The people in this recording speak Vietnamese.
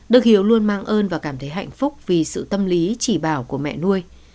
đức hiếu luôn mang ơn và cảm thấy hạnh phúc vì sự tâm lý chỉ bảo của mẹ nuôi